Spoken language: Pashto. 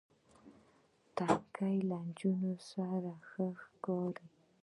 نتکۍ له نجونو سره ښه ښکاری.